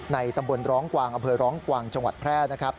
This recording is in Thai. ในตำบลร้องกวางอเภอร้องกวางจังหวัดแพร่